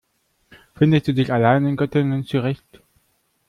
Findest du dich allein in Göttingen zurecht?